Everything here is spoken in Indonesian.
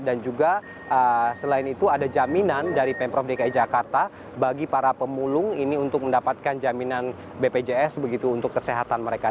dan juga selain itu ada jaminan dari pemprov dki jakarta bagi para pemulung ini untuk mendapatkan jaminan bpjs begitu untuk kesehatan mereka